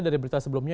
dari berita sebelumnya